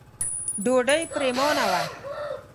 ډوډۍ پرېمانه وه.